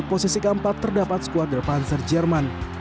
di posisi keempat terdapat squad der panzer jerman